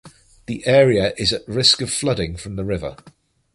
The area is at risk of flooding from the river.